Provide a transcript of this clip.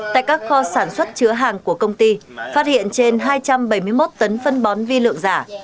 tại các kho sản xuất chứa hàng của công ty phát hiện trên hai trăm bảy mươi một tấn phân bón vi lượng giả